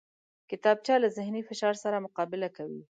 کتابچه له ذهني فشار سره مقابله کوي